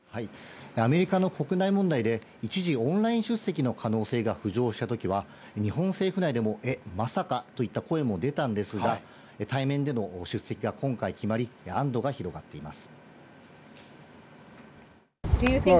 アメリカの国内問題で、一時オンライン出席の可能性が浮上したときは、日本政府内でも、えっ、まさかといった声も出たんですが、対面での出席が今回決まり、安どが広がっています。